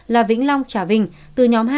là vĩnh long trà vinh từ nhóm hai